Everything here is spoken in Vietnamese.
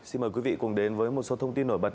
xin mời quý vị cùng đến với một số thông tin nổi bật